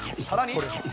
さらに。